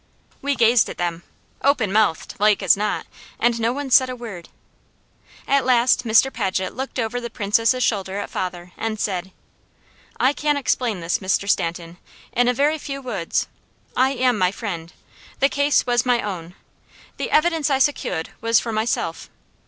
We gazed at them, open mouthed, like as not, and no one said a word. At last Mr. Paget looked over the Princess' shoulder at father and said: "I can explain this, Mr. Stanton, in a very few wuds. I am my friend. The case was my own. The evidence I secuahed was for myself.